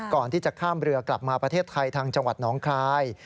ก่อนที่จะข้ามเรือกลับมาประเทศไทยทางจังหวัดน้องคลาย